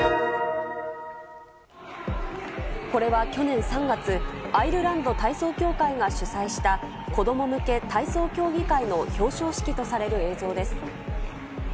これは去年３月、アイルランド体操協会が主催した子ども向け体操競技会の表彰式とされる映像です。